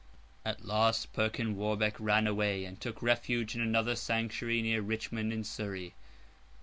At last Perkin Warbeck ran away, and took refuge in another sanctuary near Richmond in Surrey.